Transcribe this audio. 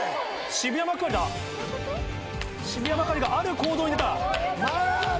渋谷幕張がある行動に出た。